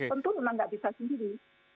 tentu memang tidak bisa sendiri